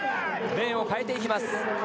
レーンを変えていきます。